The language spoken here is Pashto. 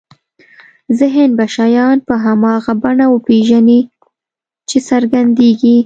ذهن به شیان په هماغه بڼه وپېژني چې څرګندېږي.